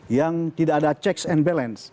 yang tidak ada checks and balance